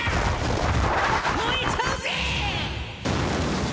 燃えちゃうぜ！